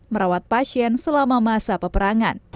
merawat pasien selama masa peperangan